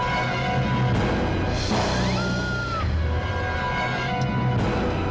ayah juga akan menangkap ayah